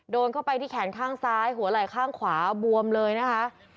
โดนเข้าไปที่แขนข้างซ้ายหัวไหล่ข้างขวาบวมเลยนะคะ